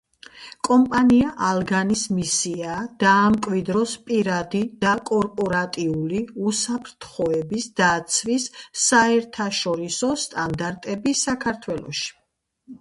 კომპანია „ალგანის“ მისიაა დაამკვიდროს პირადი და კორპორატიული უსაფრთხოების დაცვის საერთაშორისო სტანდარტები საქართველოში.